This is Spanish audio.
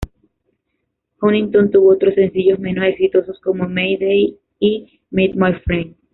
Huntington tuvo otros sencillos menos exitosos, como ""May Day"" y ""Meet My Friend"".